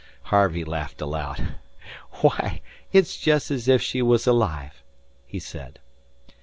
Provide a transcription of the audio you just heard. Harvey laughed aloud. "Why, it's just as if she was alive," he said.